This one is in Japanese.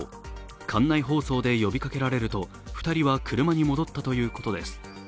館内放送で呼びかけられると２人は車に戻ったということです。